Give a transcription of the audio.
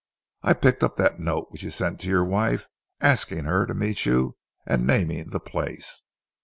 "I picked up that note which you sent to your wife asking her to meet you, and naming the place.